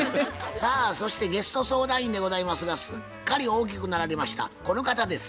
さあそしてゲスト相談員でございますがすっかり大きくなられましたこの方です。